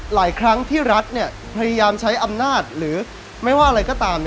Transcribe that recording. หลายครั้งที่รัฐพยายามใช้อำนาจหรือไม่ว่าอะไรก็ตาม